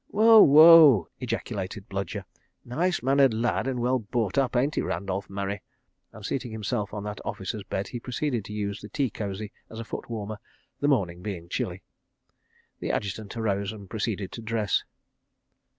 "Wow! Wow!" ejaculated Bludyer. "Nice mannered lad and well brought up, ain't he, Randolph Murray?" and seating himself on that officer's bed, he proceeded to use the tea cosy as a foot warmer, the morning being chilly. The Adjutant arose and proceeded to dress.